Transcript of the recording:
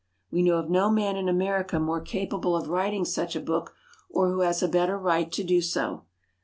_ We know of no man in America more capable of writing such a book, or who has a better right to do so.